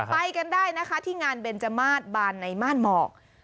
ไปกันได้นะคะที่งานเบนจมาสบานในม่านหมอก